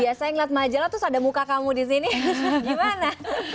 biasa yang lihat majalah tuh ada muka kamu disini gimana